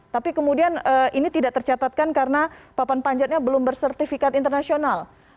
tapi kemudian ini tidak tercatatkan karena papan panjatnya belum bersertifikat internasional